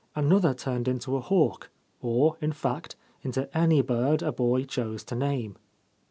Another turned into a hawk, or, in fact, into any bird a boy chose to name.